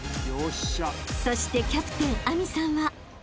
［そしてキャプテン明未さんは］